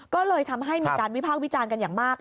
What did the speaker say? ก็เลยทำให้มีการวิพากษ์วิจารณ์กันอย่างมาก